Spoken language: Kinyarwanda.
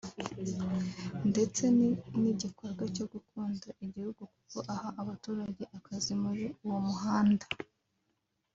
ndetse ni nigikorwa cyo gukunda igihugu kuko aha abaturage akazi muri uwo muhanda »